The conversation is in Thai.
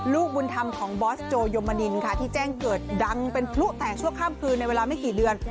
ลูกบุญธรรมของบอสโจยมนินค่ะที่แจ้งเกิดดังเป็นพลุแตกชั่วข้ามคืนในเวลาไม่กี่เดือน